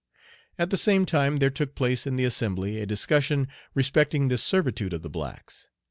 At the same time there took place in the Assembly a discussion respecting the servitude of the blacks.